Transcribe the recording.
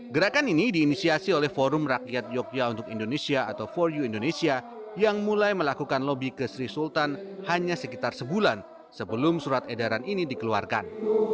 gerakan ini diinisiasi oleh forum rakyat yogyakarta untuk indonesia atau empat u indonesia yang mulai melakukan lobby ke sri sultan hanya sekitar sebulan sebelum surat edaran ini dikeluarkan